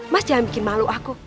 mas jangan bikin malu aku